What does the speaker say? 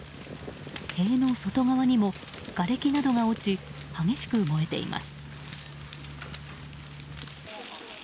塀の外側にも、がれきなどが落ち激しく燃えています。